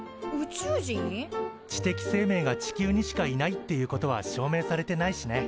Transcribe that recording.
知的生命が地球にしかいないっていうことは証明されてないしね。